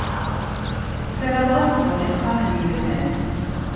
Saramen ad sɛun ixxamen yelhan.